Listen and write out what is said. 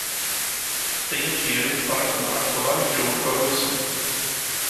Tenha dinheiro para comprar colares de ouro para você